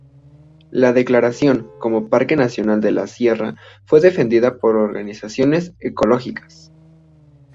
La declaración como parque nacional de la sierra fue defendida por organizaciones ecologistas.